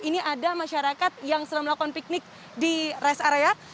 ini ada masyarakat yang sedang melakukan piknik di rest area